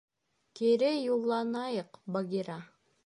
Кире юлланайыҡ, Багира.